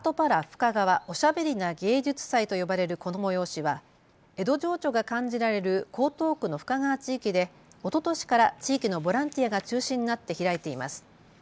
深川おしゃべりな芸術祭と呼ばれるこの催しは江戸情緒が感じられる江東区の深川地域でおととしから地域のボランティアが中心となって開いています。